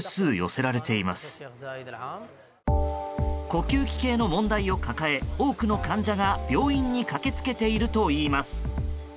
呼吸器系の問題を抱え多くの患者が病院に駆けつけているといいます。